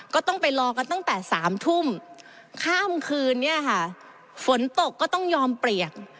ก็ต้องไปรอกันตั้งแต่๓ทุ่มข้ามคืนเนี่ยค่ะฝนตกก็ต้องยอมเปียก